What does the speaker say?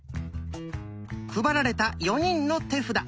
配られた４人の手札。